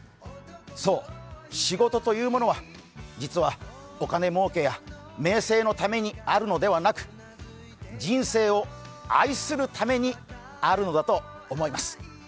そう、仕事というものは実はお金儲けや名声のためにあるのではなく人生を愛するためにあるのだと思います。